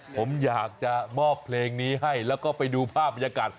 ผมอยากจะมอบเพลงนี้ให้แล้วก็ไปดูภาพบรรยากาศ